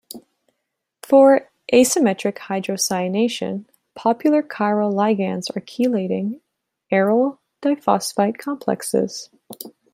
For asymmetric hydrocyanation, popular chiral ligands are chelating aryl diphosphite complexes.